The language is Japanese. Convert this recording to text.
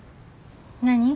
何？